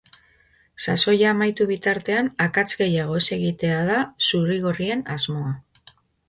Sasoia amaitu bitartean akats gehiago ez egitea da zuri-gorrien asmoa.